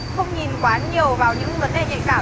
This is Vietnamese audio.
không nhìn quá nhiều vào những vấn đề nhạy cảm